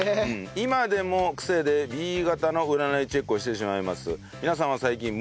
今でも癖でＢ型の占いチェックをしてしまいます。